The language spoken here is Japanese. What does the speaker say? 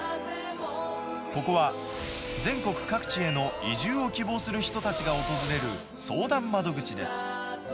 ここは、全国各地への移住を希望する人たちが訪れる相談窓口です。